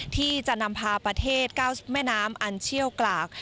ที่จะนำพาประเทศก้าวแม่น้ำอันเชี่ยวกราก